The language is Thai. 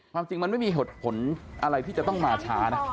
ความจริงมันไม่มีเหตุผลอะไรที่จะต้องมาช้านะ